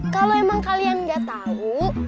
kalau emang kalian nggak tahu